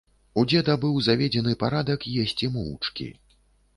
У дзеда быў заведзены парадак есці моўчкі.